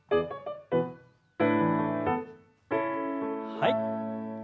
はい。